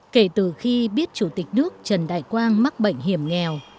kể từ khi biết chủ tịch nước trần đại quang mắc bệnh hiểm nghèo